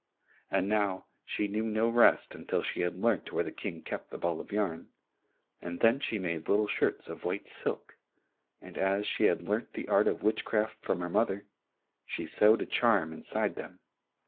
And now she knew no rest until she had learnt where the King kept the ball of yarn, and then she made little shirts of white silk, and as she had learnt the art of witchcraft from her mother, she sewed a charm inside them.